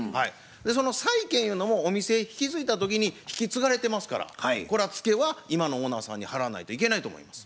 その債権ゆうのもお店引き継いだ時に引き継がれてますからこれはツケは今のオーナーさんに払わないといけないと思います。